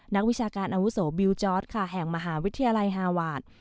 นักวิชาการอาวุโสบิลจอร์ดค่ะแห่งมหาวิทยาลัยฮาวาส